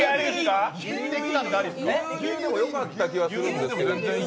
牛乳でもよかった気もするんですけど。